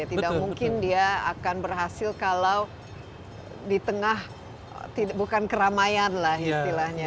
tidak mungkin dia akan berhasil kalau di tengah bukan keramaian lah istilahnya